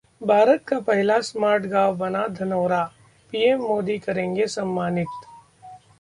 भारत का पहला स्मार्ट गांव बना धनौरा, पीएम मोदी करेंगे सम्मानित